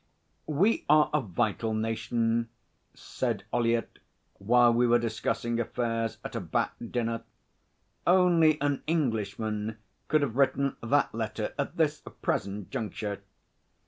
'We are a vital nation,' said Ollyett while we were discussing affairs at a Bat dinner. 'Only an Englishman could have written that letter at this present juncture.'